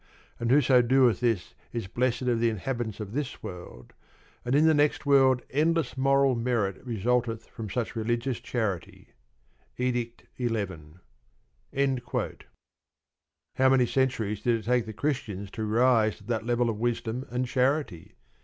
And whoso doeth this is blessed of the inhabitants of this world; and in the next world endless moral merit resulteth from such religious charity Edict XI. How many centuries did it take the Christians to rise to that level of wisdom and charity?